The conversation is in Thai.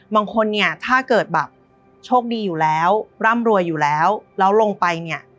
บางคนเนี่ยถ้าเกิดแบบโชคดีอยู่แล้วร่ำรวยอยู่แล้วแล้วลงไปเนี่ย